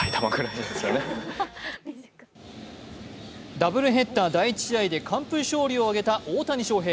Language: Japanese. ダブルヘッダー第１試合で完封勝利を挙げた大谷翔平。